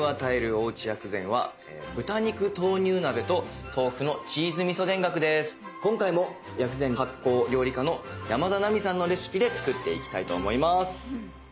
おうち薬膳は今回も薬膳・発酵料理家の山田奈美さんのレシピで作っていきたいと思います。